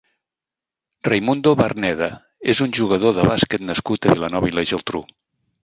Raimundo Barneda és un jugador de bàsquet nascut a Vilanova i la Geltrú.